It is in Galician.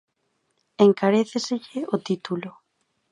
Encaréceselle o título.